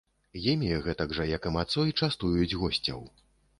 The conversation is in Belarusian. Імі, гэтак жа, як і мацой, частуюць госцяў.